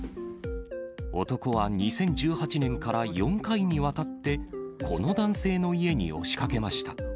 男は２０１８年から４回にわたってこの男性の家に押しかけました。